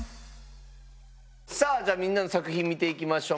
さあじゃあみんなの作品見ていきましょう。